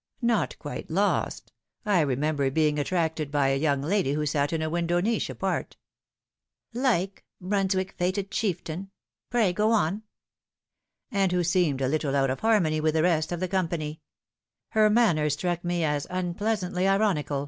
"Not quite lost. I remember being attracted by a young lady who sat in a window niche apart "" Like ' Brunswick's fated chieftain.' Pray go on." " And who seemed a little out of harmony with the rest of the company. Her manner struck me as unpleasantly ironical 268 The Fatal Three.